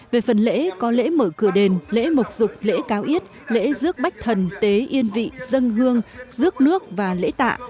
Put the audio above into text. về phần lễ có lễ mở cửa đền lễ mộc dục lễ cao ít lễ dước bách thần tế yên vị dân hương dước nước và lễ tạ